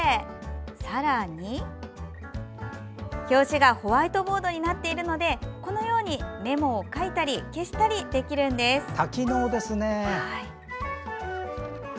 さらに、表紙がホワイトボードになっているのでこのようにメモを書いたり消したりできるんです。